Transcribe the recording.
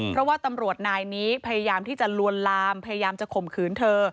เพราะว่าตำรวจนายนี้พยายามที่จะลวนลามพยายามจะข่มขืนเธอ